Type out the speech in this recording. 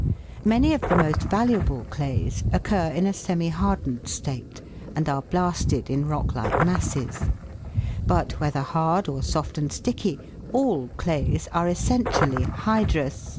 Many of the most valuable clays occur in a semi hardened state, and are blasted in rock like masses ; but whether hard, or soft and sticky, all clays are essentially hydrous